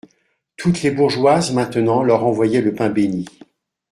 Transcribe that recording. Toutes les bourgeoises, maintenant leur envoyaient le pain bénit.